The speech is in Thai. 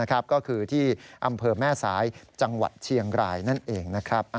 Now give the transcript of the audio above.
ก็คือที่อำเภอแม่สายจังหวัดเชียงรายนั่นเองนะครับ